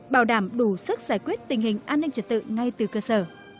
bảo đảm đủ sức giải quyết tình hình an ninh trật tự ngay từ cơ sở